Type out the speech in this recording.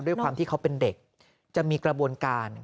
ด้วยความที่เขาเป็นเด็กจะมีกระบวนการ